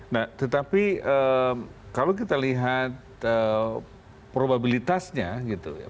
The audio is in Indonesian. nah tetapi kalau kita lihat probabilitasnya gitu ya